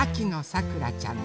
さくらちゃん。